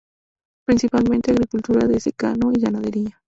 Principalmente agricultura de secano y ganadería.